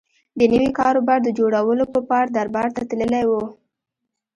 د نوي کاروبار د جوړولو په پار دربار ته تللی و.